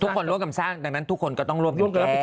ร่วมกันสร้างดังนั้นทุกคนก็ต้องร่วมกัน